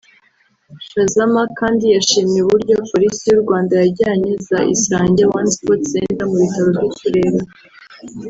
Chazama kandi yashimye uburyo Polisi y’u Rwanda yajyanye za Isange One Stop Center mu bitaro by’uturere